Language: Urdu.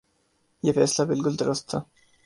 یہ فیصلہ بالکل درست تھا۔